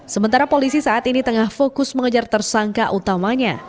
sementara polisi saat ini tengah fokus mengejar tersangka utamanya